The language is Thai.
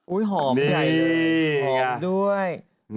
อุ้ยหอมด้วย